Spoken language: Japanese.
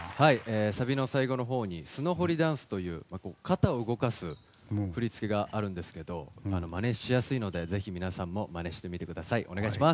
サビの最後のほうにスノホリダンスという肩を動かす振り付けがあるんですけどまねしやすいので、ぜひ皆さんもまねしてみてください。